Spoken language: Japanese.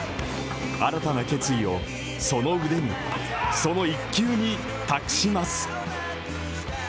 新たな決意をその腕にその一球に託します。